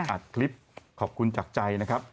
อัดคลิปขอบคุณจากใจนะครับ